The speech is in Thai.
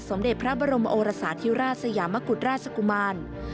เด็จพระบรมโอรสาธิราชสยามกุฎราชกุมาร